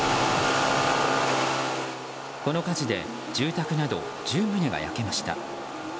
この火事で住宅など１０棟が焼けました。